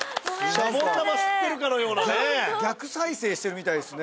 シャボン玉吸ってるかのようなね逆再生してるみたいですね